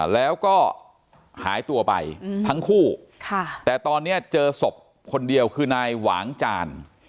แล้วก็หายตัวไปทั้งคู่แต่ตอนนี้เจอศพคนเดียวคือนายหวางจาน